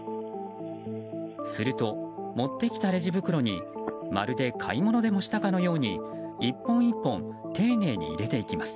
すると、持ってきたレジ袋にまるで買い物でもしてきたかのように１本１本、丁寧に入れていきます。